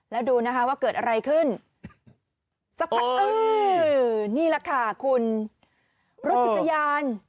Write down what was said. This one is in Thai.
แล้วดูนะคะว่าเกิดอะไรขึ้นสักพักอื้อนี่แหละค่ะคุณรถจักรยาน